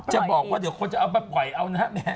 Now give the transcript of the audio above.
จะบอกว่าเดี๋ยวคนจะเอาไปปล่อยเอานะฮะ